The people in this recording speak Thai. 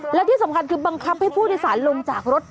และที่สำคัญคือบังคับให้ผู้โดยสารลงจากรถ